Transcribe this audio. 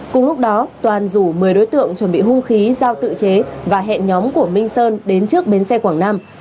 cùng lúc đó toàn rủ một mươi đối tượng chuẩn bị hung khí giao tự chế và hẹn nhóm của minh sơn đến trước bến xe quảng nam